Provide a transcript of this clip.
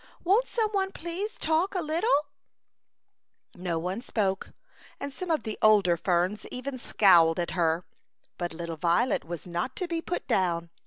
Won't some one please talk a little ?^' No one spoke, and some of the older ferns even scowled at her, but little violet was not to be put down.